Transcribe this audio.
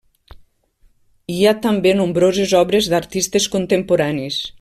Hi ha també nombroses obres d'artistes contemporanis.